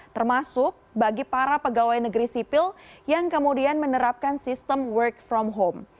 termasuk bagi para pegawai negeri sipil yang kemudian menerapkan sistem work from home